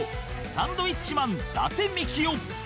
サンドウィッチマン伊達みきお